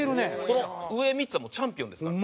この上３つはもうチャンピオンですから。